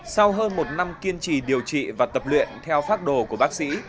sau hơn một năm kiên trì điều trị và tập luyện theo phác đồ của bác sĩ